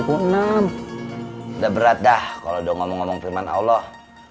udah berat dah kalau udah ngomong ngomong terima allah